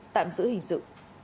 tạm giữ hình sự